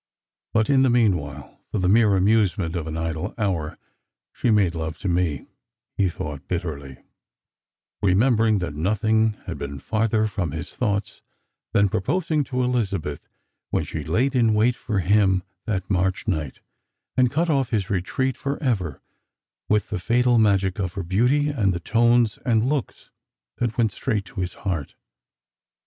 But in the mean while, for the mere amuse ment of an idle hour, she made love to me," he thought bitterly, remembering that nothing had been farther from his thoughts than proposing to Elizabeth when she laid in wait for him that March night, and cut ojT his retreat for ever with the fatal magic of her beauty, and the tones and looks that went straight to his heart.